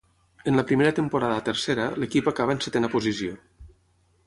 En la primera temporada a Tercera, l'equip acaba en setena posició.